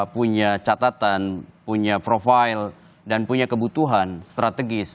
punya catatan punya profil dan punya kebutuhan strategis